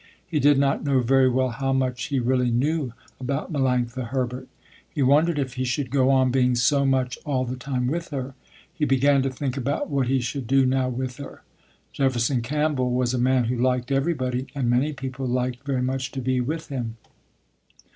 He did not know very well how much he really knew about Melanctha Herbert. He wondered if he should go on being so much all the time with her. He began to think about what he should do now with her. Jefferson Campbell was a man who liked everybody and many people liked very much to be with him.